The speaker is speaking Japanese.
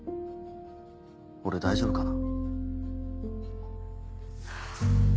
俺大丈夫かな？